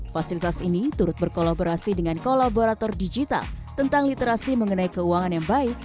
fasilitas ini turut berkolaborasi dengan kolaborator digital tentang literasi mengenai keuangan yang baik